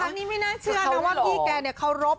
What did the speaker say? ดังนี้ไม่น่าเชื่อว่าพี่แก้เขารบ